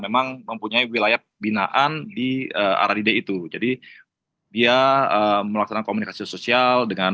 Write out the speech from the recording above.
memang mempunyai wilayah pembinaan di aradida itu jadi dia melaksanakan komunikasi sosial dengan